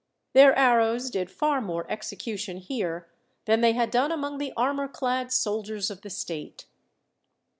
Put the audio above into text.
Their arrows did far more execution here than they had done among the armour clad soldiers of the state.